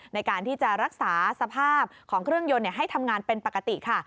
ในการที่จะรักษาสภาพของเครื่องยนต์ให้ทำงานเป็นปกติค่ะ